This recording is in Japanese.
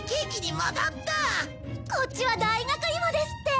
こっちは大学芋ですって！